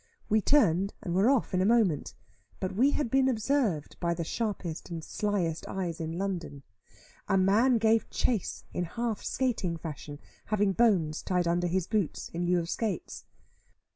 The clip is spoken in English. We turned and were off in a moment; but we had been observed by the sharpest and slyest eyes in London. A man gave chase in half skating fashion, having bones tied under his boots, in lieu of skates.